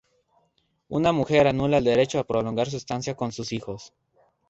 Una mujer anula el derecho a prolongar su estancia con sus hijos.